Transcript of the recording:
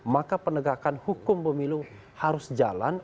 maka penegakan hukum pemilu harus jalan